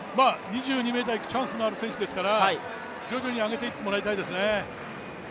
２２ｍいくチャンスのある選手ですから徐々に上げていってもらいたいですね。